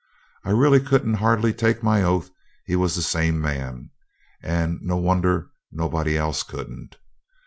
I really couldn't hardly take my oath he was the same man, and no wonder nobody else couldn't.